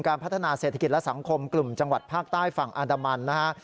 พัฒนาเศรษฐกิจและสังคมกลุ่มจังหวัดภาคใต้ฝั่งอันดามันนะฮะ